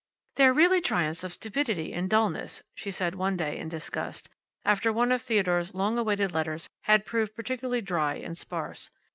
"They're really triumphs of stupidity and dullness," she said one day in disgust, after one of Theodore's long awaited letters had proved particularly dry and sparse.